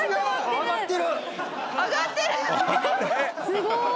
すごい。